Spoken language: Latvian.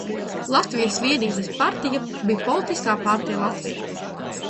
Latvijas Vienības partija bija politiska partija Latvijā.